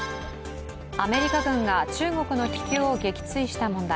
アメリカ軍が中国の気球を撃墜した問題。